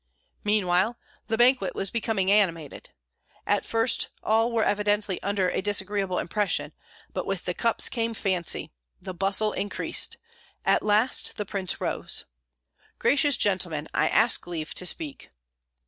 Meanwhile the banquet was becoming animated. At first all were evidently under a disagreeable impression, but with the cups came fancy. The bustle increased. At last the prince rose, "Gracious gentlemen, I ask leave to speak."